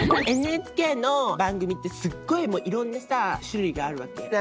ＮＨＫの番組ってすごいもういろんなさ種類があるわけ。